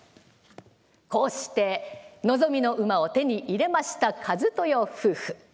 こうして望みの馬を手に入れました一豊夫婦。